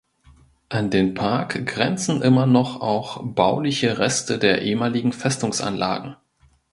An den Park grenzen immer noch auch bauliche Reste der ehemaligen Festungsanlagen.